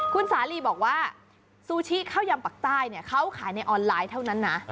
คุณสาลีบอกว่าซูชิข้าวยำปักใต้เขาขายในออนไลน์เท่านั้นนะ